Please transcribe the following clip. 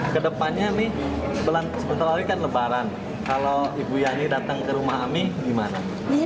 kedepannya ini sebetulnya kan lebaran kalau ibu yani datang ke rumah ami gimana